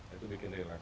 itu bikin relax